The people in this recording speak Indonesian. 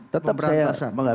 tetap saya mengabdi